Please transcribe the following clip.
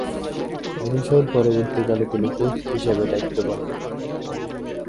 অবসর পরবর্তীকালে তিনি কোচ হিসেবে দায়িত্ব পালন করেন।